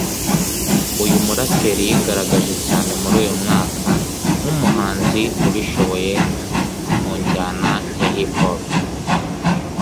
Uyu muraperi yigaragaje cyane muri uyu mwaka nk’umuhanzi ubishoboye mu njyana ya Hip Hop